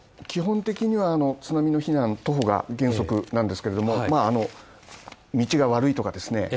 基本的にはあの津波の避難等が原則なんですけれども道が悪いとかですね